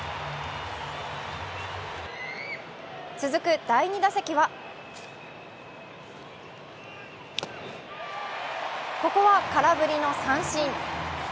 続く第２打席はここは空振りの三振。